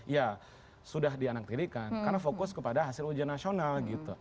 ya sudah dianaktirikan karena fokus kepada hasil ujian nasional gitu